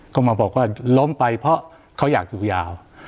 ก็มาบอกว่าล้มไปเพราะเขาอยากอยู่ยาว